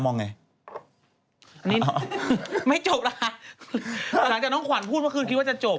หลังจากน้องขวานพูดว่าคุณคิดว่าจะจบ